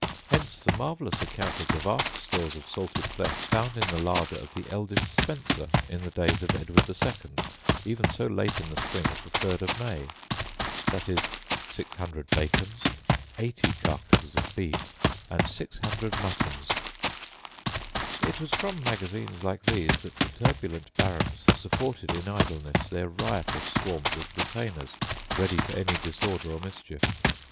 Hence the marvellous account of the vast stores of salted flesh found in the larder of the eldest Spencer t in the days of Edward the Second, even so late in the spring as the third of May. It was from magazines like these that the turbulent barons supported in idleness their riotous swarms of retainers ready for any disorder or mischief.